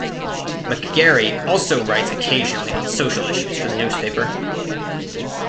McGarry also writes occasionally on social issues for the newspaper.